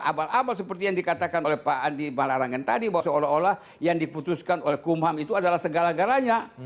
abal abal seperti yang dikatakan oleh pak andi balarangen tadi bahwa seolah olah yang diputuskan oleh kumham itu adalah segala galanya